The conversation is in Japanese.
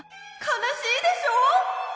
かなしいでしょ！